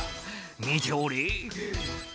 「見ておれ」